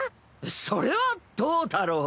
それはどうだろう？